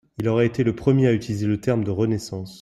Il aurait été le premier à utiliser le terme de renaissance.